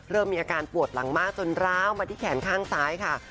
เริ่มมีอาการปวดหลังมากจนร้าวมาที่แขนข้างซ้ายค่ะ